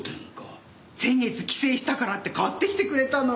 先月帰省したからって買ってきてくれたの。